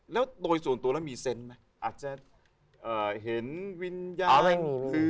แล้วตัวส่วนตัวแล้วมีเซนต์ไหมอาจจะเห็นวิญญาณ